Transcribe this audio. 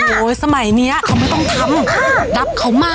โหยสมัยนี้เขาไม่ต้องทำแต่รับเขามา